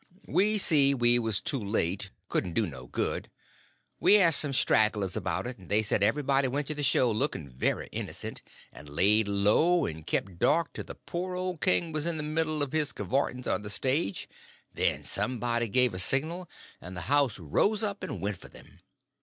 We see we was too late—couldn't do no good. We asked some stragglers about it, and they said everybody went to the show looking very innocent; and laid low and kept dark till the poor old king was in the middle of his cavortings on the stage; then somebody give a signal, and the house rose up and went for them.